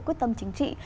quyết tâm chính trị